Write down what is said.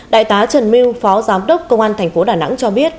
đại tá trần miu phó giám đốc công an tp đà nẵng cho biết